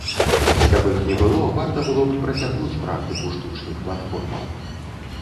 Каб іх не было, варта было б працягнуць практыку штучных платформаў.